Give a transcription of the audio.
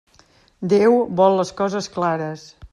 Déu vol les coses clares.